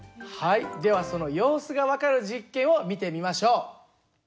ではその様子が分かる実験を見てみましょう。